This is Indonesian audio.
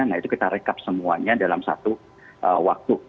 nah itu kita rekap semuanya dalam satu waktu